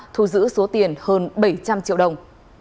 thu giữ số tiền hơn bảy trăm linh triệu đồng